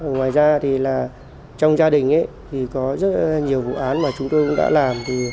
ngoài ra thì là trong gia đình thì có rất nhiều vụ án mà chúng tôi cũng đã làm